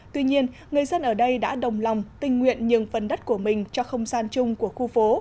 tuy nhiên người dân ở đây đã đồng lòng tình nguyện nhường phần đất của mình cho không gian chung của khu phố